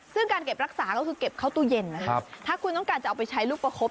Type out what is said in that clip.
ซึ่งการเก็บรักษาก็คือเก็บเข้าตู้เย็นนะครับถ้าคุณต้องการจะเอาไปใช้ลูกประคบ